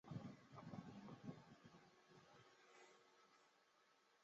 光泽布纹螺为布纹螺科布纹螺属下的一个种。